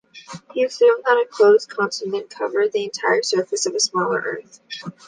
He assumed that a closed continent covered the entire surface of a smaller Earth.